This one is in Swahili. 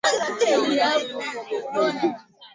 viazi lishe Vikiiva ipua